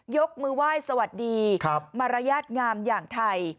ยกมือไหว้สวัสดีมารยาทงามอย่างไทย